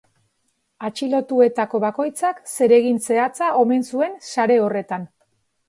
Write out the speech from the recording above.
Atxilotuetako bakoitzak zeregin zehatza omen zuen sare horretan.